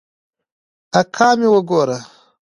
اکا مې وګوره.